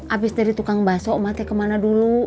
abis dari tukang basok emak teh kemana dulu